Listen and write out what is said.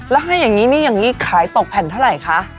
แล้วให้อย่างนี้นี่อย่างนี้ขายตกแผ่นเท่าไหร่คะ